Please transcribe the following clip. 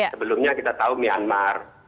sebelumnya kita tahu myanmar